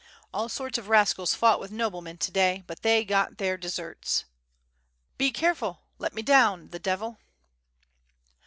All sorts of rascals fought with noblemen to day, but they got their deserts. ... Be careful! let me down! The Devil!